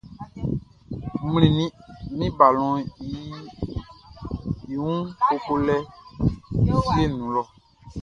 N mlinnin min balɔnʼn i wun koko lɛ fieʼn nun lɔ.